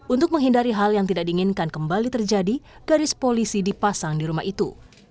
untuk menghindari hal yang tidak diinginkan kembali terjadi garis polisi dipasang di rumah itu